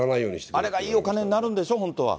あれがいいお金になるんでしょう、本当は。